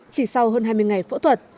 chỉ sau hơn hai mươi ngày phẫu thuật